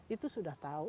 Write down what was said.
itu sudah tahu